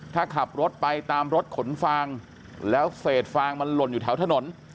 ถ้าขับรถไปตามรถขนฟางแล้วเศษฟางมันหล่นอยู่แถวถนน